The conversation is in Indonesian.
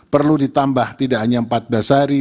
perlu ditambah tidak hanya empat basari